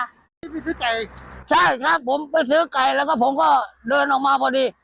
อันนี้ไปซื้อไก่ใช่ครับผมไปซื้อไก่แล้วก็ผมก็เดินออกมาพอดี